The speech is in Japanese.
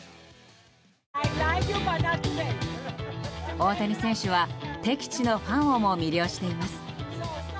大谷選手は敵地のファンをも魅了しています。